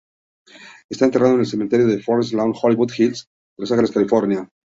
Está enterrado en el cementerio Forest Lawn Hollywood Hills de Los Ángeles, California.